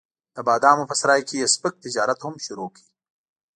د بادامو په سرای کې یې سپک تجارت هم شروع کړ.